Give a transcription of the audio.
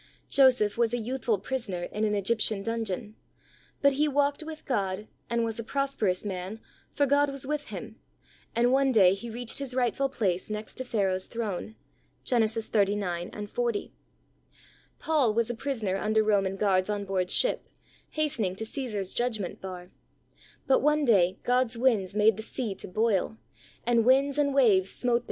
Joseph was a youthful prisoner in an Egyptian dungeon, but he walked with God, and was "a prosperous man/' for God was with him, and one day he reached his rightful place next to Pharaoh's throne. (Gen. 39 and 40.) Paul was a prisoner under Roman guards on board ship, hastening to Caesar's judg ment bar; but one day, God's winds made the sea to boil, and winds and waves smote 36 THE soul winner's secret.